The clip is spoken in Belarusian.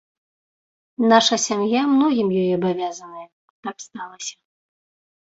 Наша сям'я многім ёй абавязаная, так сталася.